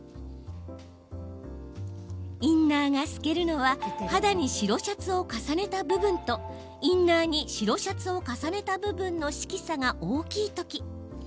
インナーが透けるのは肌に白シャツを重ねた部分とインナーに白シャツを重ねた部分の色差が大きいとき。